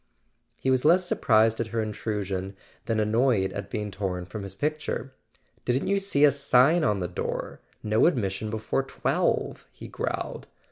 He was less surprised at her intrusion than annoyed at being torn from his picture. "Didn't you see a sign on the door? 'No admission before twelve' " he growled.